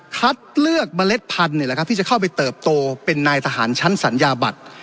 คัดเลือกเมล็ดพันธุ์ที่จะเข้าไปเติบโตเป็นนายทหารชั้นสัญญาบัตร